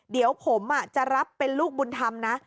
เดี๋ยวผมจะรับเป็นลูกบุญธรรมนะ